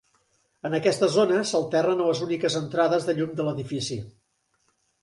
En aquesta zona s'alternen les úniques entrades de llum de l'edifici.